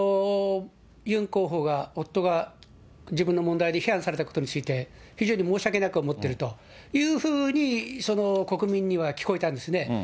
ユン候補が、夫が自分の問題で批判されたことについて、非常に申し訳なく思っているというふうに、その国民には聞こえたんですね。